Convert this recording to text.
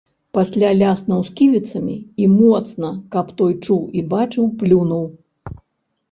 Пасля ляснуў сківіцамі і моцна, каб той чуў і бачыў, плюнуў.